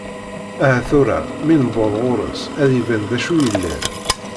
Aha tura, mi neweḍ ɣer-s ad iban d acu yellan.